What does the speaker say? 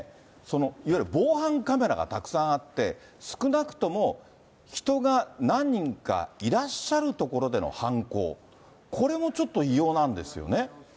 いわゆる防犯カメラがたくさんあって、少なくとも人が何人かいらっしゃるところでの犯行、これもちょっと異様なんですよね。